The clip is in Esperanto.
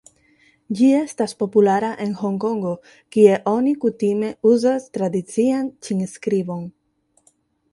Ĝi estas populara en Honkongo kie oni kutime uzas tradician ĉin-skribon.